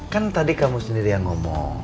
kan tadi kamu sendiri yang ngomong